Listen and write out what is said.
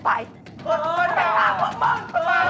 พี่ป๋องครับผมเคยไปที่บ้านผีคลั่งมาแล้ว